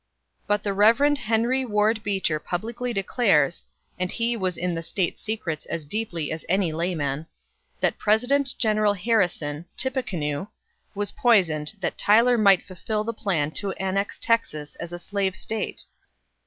But the Reverend Henry Ward Beecher publicly declares and he was in the state secrets as deeply as any layman that President General Harrison, "Tippecanoe," was poisoned that Tyler might fulfil the plan to annex Texas as a slave State.